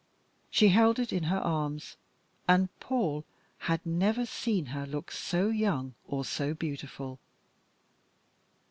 She held it in her arms. And Paul had never seen her look so young or so beautiful.